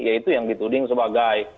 yaitu yang dituding sebagai